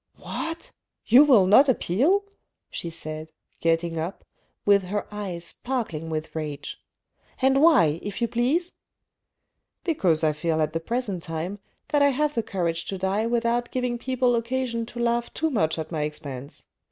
" What ! you will not appeal," she said, getting up, with her eyes sparkling with rage. " And why, if you please ?"" Because I feel at the present time that I have the courage to die without giving people occasion to laugh too much at my expense.